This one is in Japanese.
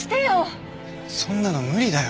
そんなの無理だよ。